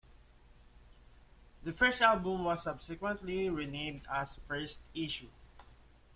The first album was subsequently renamed as "First Issue".